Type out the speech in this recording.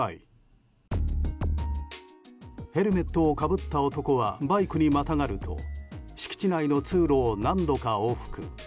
ヘルメットをかぶった男はバイクにまたがると敷地内の通路を何度か往復。